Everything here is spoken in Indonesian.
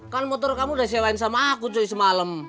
kan motor kamu udah disewain sama aku semalem